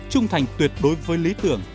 trung thành tuyệt đối với lý tưởng